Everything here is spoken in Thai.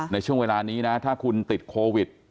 ในช่วงเวลานี้นะถ้าคุณติดโควิด